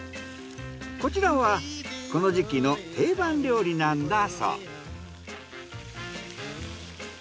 こちらはこの時期の定番料理なんだそう。